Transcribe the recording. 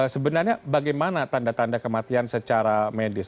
sebenarnya bagaimana tanda tanda kematian secara medis